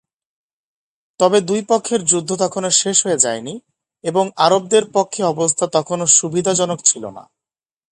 তবে দুই পক্ষের যুদ্ধ তখনো শেষ হয়ে যায়নি এবং আরবদের পক্ষে অবস্থা তখনো সুবিধাজনক ছিল না।